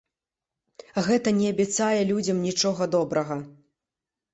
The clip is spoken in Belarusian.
Гэта не абяцае людзям нічога добрага.